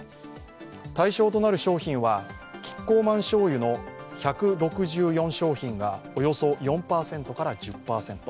対象となる商品はキッコーマンしょうゆの１６４商品がおよそ４％から１０％。